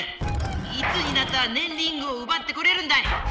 いつになったらねんリングをうばってこれるんだい！